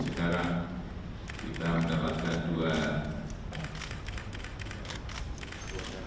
sekarang kita mendapatkan dua